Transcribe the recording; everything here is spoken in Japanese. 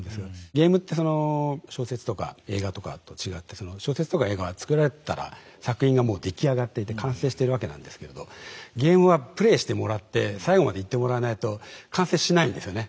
ゲームってその小説とか映画とかと違ってその小説とか映画は作られたら作品がもう出来上がっていて完成してるわけなんですけれどゲームはプレイしてもらって最後までいってもらわないと完成しないんですよね。